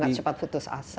nggak cepat putus asa